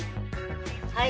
はい！